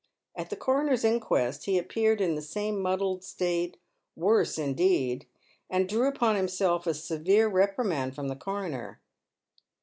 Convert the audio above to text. At the coronei 's inquest he appeared in the same muddled state — worse, indeed, and drew upon himself a severe reprimand from the coroner."